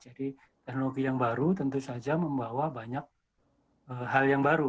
jadi teknologi yang baru tentu saja membawa banyak hal yang baru